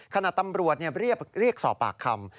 ขณะตำรวจเรียกสอบปากคำ